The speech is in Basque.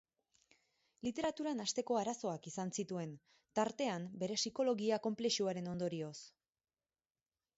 Literaturan hasteko arazoak izan zituen, tartean bere psikologia konplexuaren ondorioz.